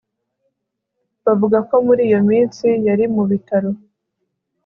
Bavuga ko muri iyo minsi yari mu bitaro